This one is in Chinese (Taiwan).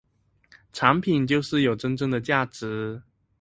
產品就是有真正的價值